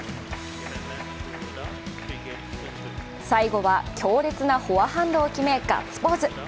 最後は強烈なフォアハンドを決め、ガッツポーズ。